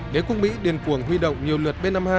đế quốc mỹ điền cuồng huy động nhiều lượt b năm mươi hai